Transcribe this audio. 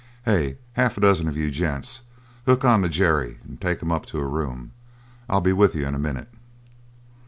"Hey, half a dozen of you gents. Hook on to Jerry and take him up to a room. I'll be with you in a minute."